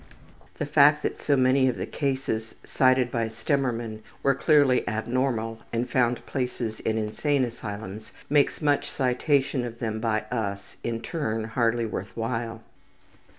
The fact that so many of the cases cited by Stemmermann were clearly abnormal and found places in insane asylums makes much citation of them by us, in turn, hardly worth while.